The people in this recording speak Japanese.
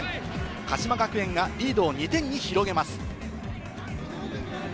鹿島学園がリードを２点に広げます。